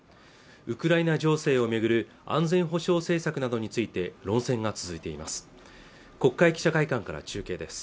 ウクライナ情勢を巡る安全保障政策などについて論戦が続いています